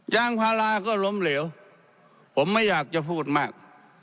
ยางพาราก็ล้มเหลวผมไม่อยากจะพูดมาก